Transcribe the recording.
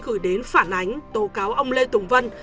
gửi đến phản ánh tố cáo ông lê tùng vân